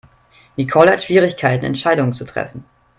Nicole hat Schwierigkeiten Entscheidungen zu treffen.